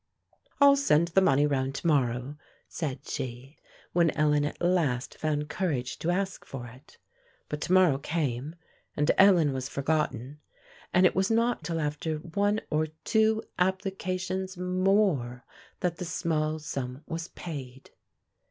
"I'll send the money round to morrow," said she, when Ellen at last found courage to ask for it. But to morrow came, and Ellen was forgotten; and it was not till after one or two applications more that the small sum was paid.